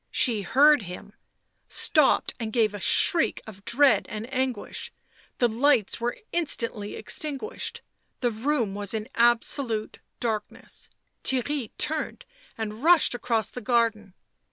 She heard him, stopped and gave a shriek of dread and anguish ; the lights were instantly extinguished, the room was in absolute darkness. Theirry turned and rushed across the garden.